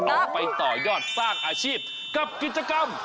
เอาไปต่อยอดสร้างอาชีพกับกิจกรรม